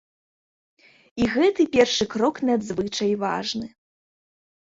І гэты першы крок надзвычай важны.